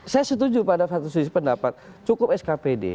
saya setuju pada satu sisi pendapat cukup skpd